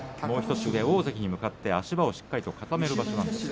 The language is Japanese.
大関に向かって足場をしっかり固める場所です。